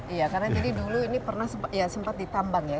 iya karena dulu ini pernah sempat ditambang ya